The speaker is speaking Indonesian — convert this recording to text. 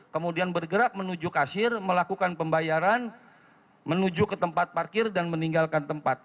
kemudian bergerak menuju kasir melakukan pembayaran menuju ke tempat parkir dan meninggalkan tempat